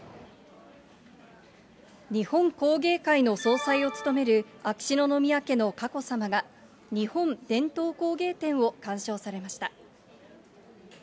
日本工芸会の総裁を務める秋篠宮家の佳子さまが、日本伝統工芸展を鑑賞されました。